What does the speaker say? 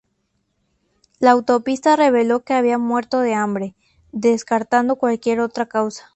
La autopsia reveló que había muerto de hambre, descartando cualquier otra causa.